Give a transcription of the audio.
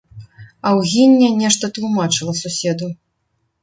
Аўгіння нешта тлумачыла суседу.